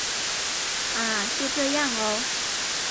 啊！就这样喔